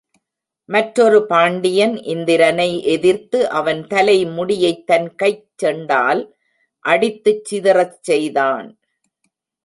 மற்றொரு பாண்டியன் இந்திரனை எதிர்த்து அவன் தலைமுடியைத் தன் கைச் செண்டால் அடித்துச் சிதறச் செய்தான்.